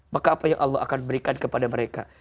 maka apa yang allah akan berikan kepada mereka